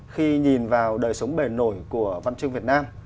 khi nhìn vào đời sống bề nổi của văn chương việt nam